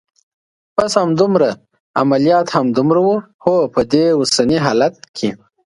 بس همدومره؟ عملیات همدومره و؟ هو، په دې اوسني حالت کې.